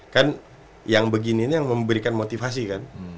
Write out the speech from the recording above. kan yang begini ini yang memberikan motivasi kan